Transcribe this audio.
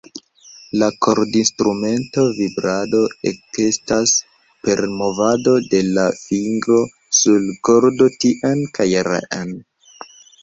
Je kordinstrumento vibrado ekestas per movado de la fingro sur kordo tien kaj reen.